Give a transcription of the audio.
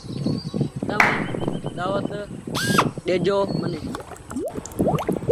تم دآوت ڏيجو مني ۔